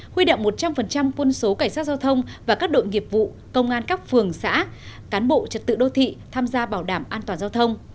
huy động một trăm linh quân số cảnh sát giao thông và các đội nghiệp vụ công an các phường xã cán bộ trật tự đô thị tham gia bảo đảm an toàn giao thông